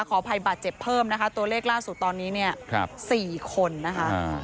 ขออภัยบาดเจ็บเพิ่มนะคะตัวเลขล่าสุดตอนนี้เนี่ย๔คนนะคะ